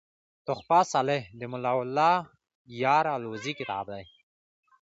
"تحفه صالح" دملا الله یار الوزي کتاب دﺉ.